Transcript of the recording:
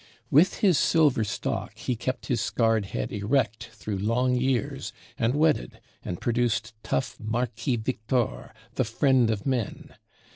With his silver stock he kept his scarred head erect, through long years, and wedded, and produced tough Marquis Victor, the friend of men.